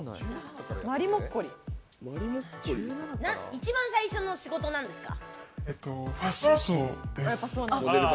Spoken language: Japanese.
一番最初の仕事、なんですか？